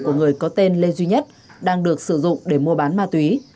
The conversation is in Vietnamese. của người có tên lê duy nhất đang được sử dụng để mua bán ma túy